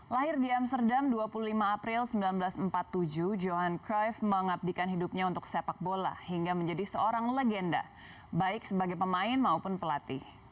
lahir di amsterdam dua puluh lima april seribu sembilan ratus empat puluh tujuh johan craft mengabdikan hidupnya untuk sepak bola hingga menjadi seorang legenda baik sebagai pemain maupun pelatih